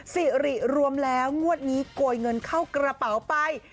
สิริรวมแล้วงวดนี้โกยเงินเข้ากระเป๋าไป